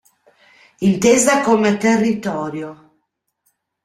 Intesa come territorio.